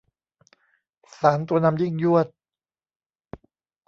สารตัวนำยิ่งยวด